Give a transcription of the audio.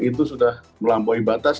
itu sudah melampaui batas